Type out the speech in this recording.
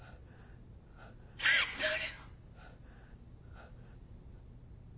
それを。